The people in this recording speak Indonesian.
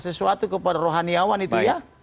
sesuatu kepada rohaniawan itu ya